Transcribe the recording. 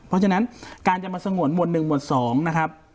เพราะฉะนั้นการจะมาสงวนหวด๑หมวด๒นะครับ